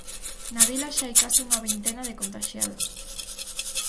Na vila xa hai case unha vintena de contaxiados.